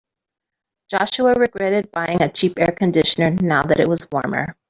Joshua regretted buying a cheap air conditioner now that it was warmer.